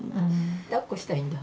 だっこしたいんだ。